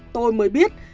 tôi mới biết